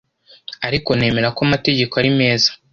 Ariko nemera ko amategeko ari meza.